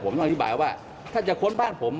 ผมต้องอธิบายว่าถ้าจะค้นบ้านผม